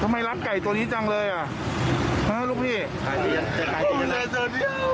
มีไก่ตัวนี้จังเลยลูกพี่